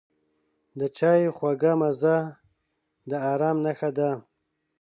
د چای خوږه مزه د آرام نښه ده.